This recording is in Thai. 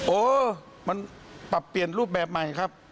เออมันปรับเปลี่ยนรูปแบบใหม่ครับ